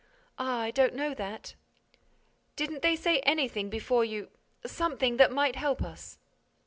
"Ah, I don't know that!" "Didn't they say anything before you—something that might help us?"